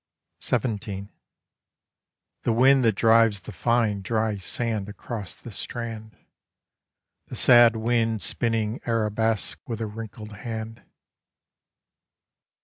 XVII The wind that drives the fine dry sand Across the strand: The sad wind spinning arabesques With a wrinkled hand.